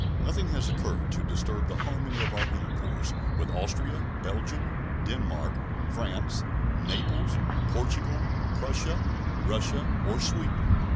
Nothing has occurred to disturb the harmony of our intercourse with Austria, Belgium, Denmark, France, Naples, Portugal, Prussia, Russia, or Sweden.